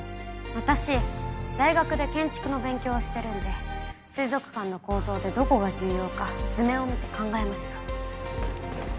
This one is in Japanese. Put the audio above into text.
私大学で建築の勉強をしてるんで水族館の構造でどこが重要か図面を見て考えました。